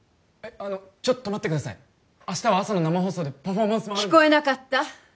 あのちょっと待ってください明日は朝の生放送でパフォーマンスも聞こえなかった？